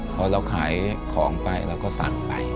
พอเราขายของไปเราก็สั่งไป